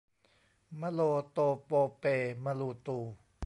มะโลโตโปเปมะลูตู